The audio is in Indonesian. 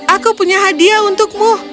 aku punya hadiah untukmu